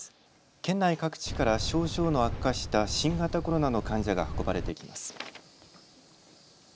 県内各地から症状の悪化した新型コロナの患者が運ばれてきます。